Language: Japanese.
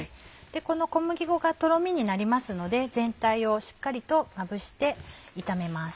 この小麦粉がとろみになりますので全体をしっかりとまぶして炒めます。